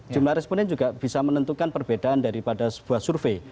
jumlah responden juga bisa menentukan perbedaan daripada sebuah survei